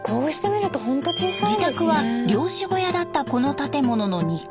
自宅は漁師小屋だったこの建物の２階。